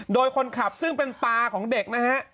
โดยคนขับซึ่งเป็นตาของเด็กนะฮะ